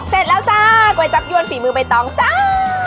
เสร็จแล้วจ้าก๋วยจับยวนฝีมือใบตองจ้า